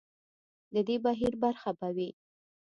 د دې بهیر برخه به وي.